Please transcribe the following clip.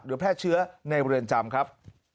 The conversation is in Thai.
แพร่เชื้อในเรือนจำครับ